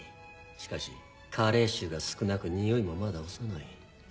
しかし加齢臭が少なくにおいもまだ幼い。